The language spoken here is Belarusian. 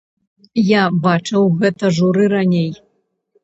Я бачыў гэта журы раней.